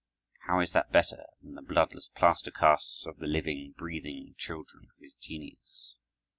How is that better than the bloodless plaster casts of the living, breathing children of his genius?